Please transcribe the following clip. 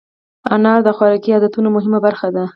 انار د خوراکي عادتونو مهمه برخه ده.